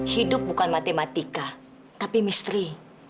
hidup bukan matematika tapi misteri